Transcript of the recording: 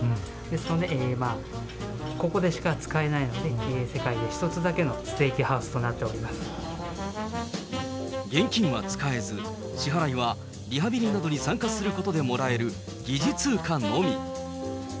それで、ここでしか使えないので、世界で一つだけのステーキハウスとなっ現金は使えず、支払いはリハビリなどに参加することでもらえる疑似通貨のみ。